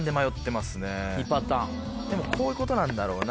でもこういうことなんだろうな。